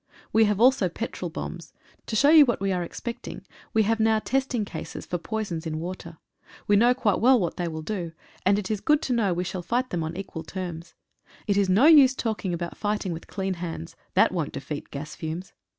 We have also petrol bombs. To show you what we are ex pecting, we have now testing cases for poisons in water. We know quite well what they will do, and it is good to know we shall fight them on equal terms. It is no use talking about fighting with clean hands — that won't defeat gas fumes.